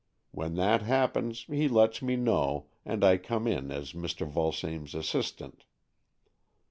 When that happens, he lets me know, and I come in as Mr. Vulsame's assistant.